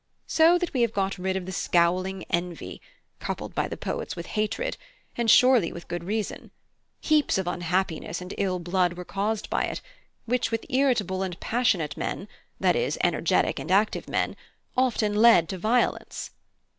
So that we have got rid of the scowling envy, coupled by the poets with hatred, and surely with good reason; heaps of unhappiness and ill blood were caused by it, which with irritable and passionate men i.e., energetic and active men often led to violence."